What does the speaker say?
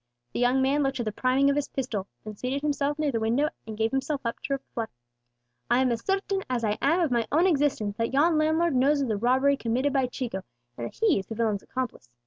The young man looked to the priming of his pistol, then seated himself near the window, and gave himself up to reflection. "I am as certain as I am of my own existence that yon landlord knows of the robbery committed by Chico, and that he is the villain's accomplice.